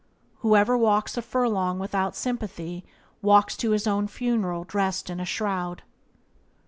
"Whoever walks a furlong without sympathy walks to his own funeral dressed in a shroud."